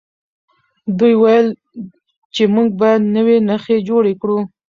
دوی وویل چې موږ باید نوي نښې جوړې کړو.